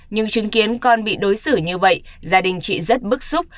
nhưng chứng kiến con bị đối xử như vậy gia đình chị rất bức xúc